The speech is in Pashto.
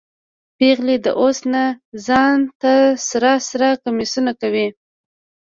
پیغلې د اوس نه ځان ته سره سره کمیسونه کوي